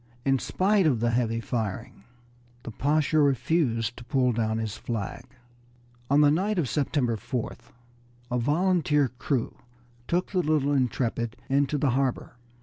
In spite of the heavy firing the Pasha refused to pull down his flag. On the night of September 4th a volunteer crew took the little Intrepid into the harbor.